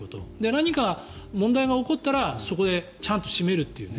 何か問題が起こったらそこでちゃんと締めるという。